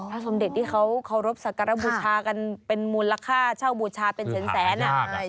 พระสมเด็จที่เขารบสักการะบูชากันเป็นมูลค่าเช่าบูชาเป็นเฉียนแสน